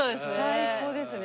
最高ですね。